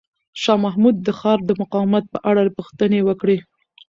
شاه محمود د ښار د مقاومت په اړه پوښتنې وکړې.